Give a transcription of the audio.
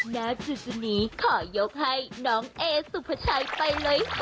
ณจุดนี้ขอยกให้น้องเอสุภาชัยไปเลย